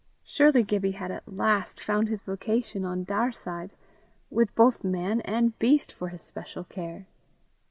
Surely Gibbie had at last found his vocation on Daurside, with both man and beast for his special care!